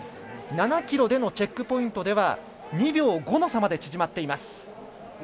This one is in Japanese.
７ｋｍでのチェックポイントでは２秒５の差まで縮まっています。